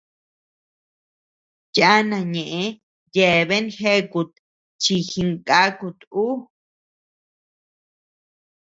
Yana ñeʼë yeabean jeakut chi jinkakut uu.